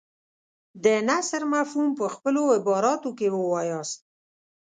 د نثر مفهوم په خپلو عباراتو کې ووایاست.